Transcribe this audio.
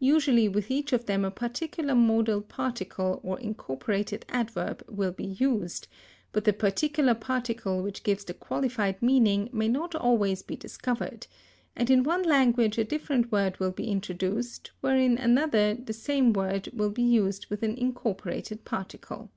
Usually with each of them a particular modal particle or incorporated adverb will be used; but the particular particle which gives the qualified meaning may not always be discovered; and in one language a different word will be introduced, wherein another the same word will be used with an incorporated particle.